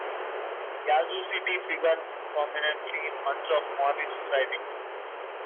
Yazoo City figures prominently in much of Morris' writing.